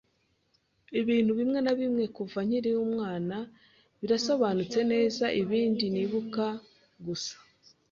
Ibintu bimwe na bimwe kuva nkiri umwana birasobanutse neza, ibindi nibuka gusa.